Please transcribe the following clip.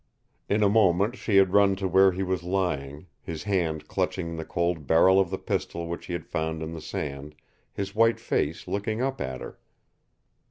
In a moment she had run to where he was lying, his hand clutching the cold barrel of the pistol which he had found in the sand, his white face looking up at her.